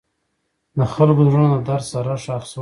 د خلکو زړونه د درد سره ښخ شول.